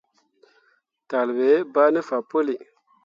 Talle ɓe bah ne fah puli.